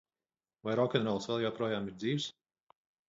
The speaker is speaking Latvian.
Vai rokenrols vēl joprojām ir dzīvs?